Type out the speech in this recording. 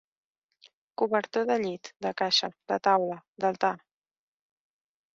Cobertor de llit, de caixa, de taula, d'altar.